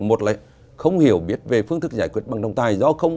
một là không hiểu biết về phương thức giải quyết bằng trọng tài